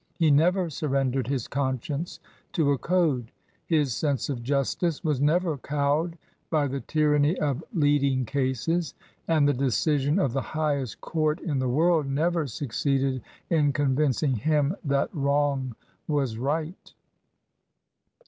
He never surren dered his conscience to a code; his sense of jus tice was never cowed by the tyranny of "leading cases"; and the decision of the highest court in the world never succeeded in convincing him that wrong was right.